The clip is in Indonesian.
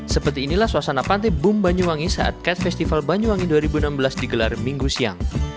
seperti inilah suasana pantai bum banyuwangi saat cat festival banyuwangi dua ribu enam belas digelar minggu siang